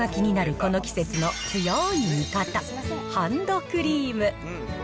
この季節の強い味方、ハンドクリーム。